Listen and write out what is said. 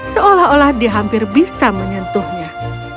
seolah olah dia hampir bisa menyentuhnya